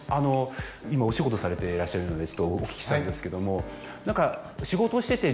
今お仕事されてらっしゃるのでお聞きしたいんですけども何か。